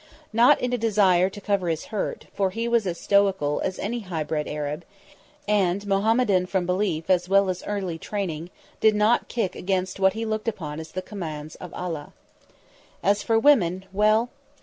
Not in a desire to cover his hurt, for he was as stoical as any high bred Arab; and, Mohammedan from belief as well as early training, did not kick against what he looked upon as the commands of Allah. As for women well!